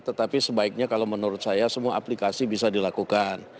tetapi sebaiknya kalau menurut saya semua aplikasi bisa dilakukan